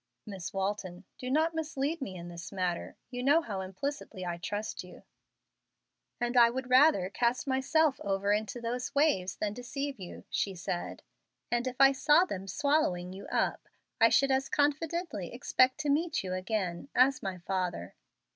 "Miss Walton, do not mislead me in this matter. You know how implicitly I trust you." "And I would rather cast myself over into those waves than deceive you," she said; "and if I saw them swallowing you up I should as confidently expect to meet you again, as my father.